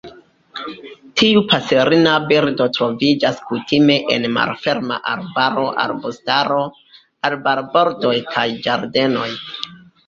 Tiu paserina birdo troviĝas kutime en malferma arbaro, arbustaro, arbarbordoj kaj ĝardenoj.